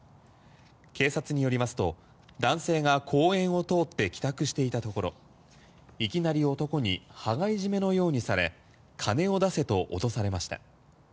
警察によりますと、男性が公園を通って帰宅していたところいきなり男に羽交い締めのようにされ金を出せと脅されました。